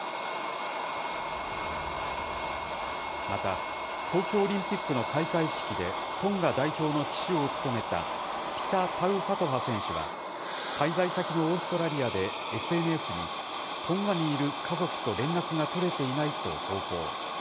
また、東京オリンピックの開会式で、トンガ代表の旗手を務めたピタ・タウファトファ選手は、滞在先のオーストラリアでＳＮＳに、トンガにいる家族と連絡が取れていないと投稿。